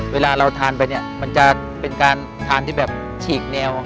เวลาเราทานไปเนี่ยมันจะเป็นการทานที่แบบฉีกแนว